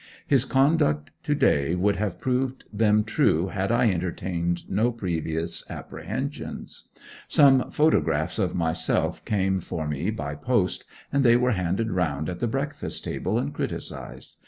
His conduct to day would have proved them true had I entertained no previous apprehensions. Some photographs of myself came for me by post, and they were handed round at the breakfast table and criticised.